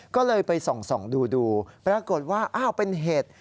ก็เลยไปส่องดูปรากฏว่าเป็นเห็ด